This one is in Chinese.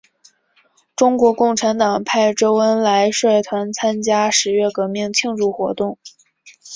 中国共产党派周恩来率团参加十月革命庆祝活动。